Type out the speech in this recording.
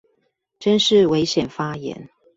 真是危險發言